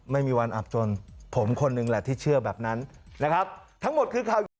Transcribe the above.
ไม่มีวันอับจนผมคนนึงแหละที่เชื่อแบบนั้นนะครับ